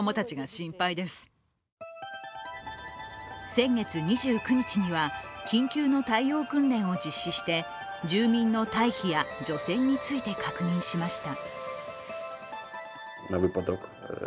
先月２９日には、緊急の対応訓練を実施して住人の退避や除染について確認しました。